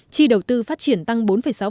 chi đầu tư phát triển tăng bốn sáu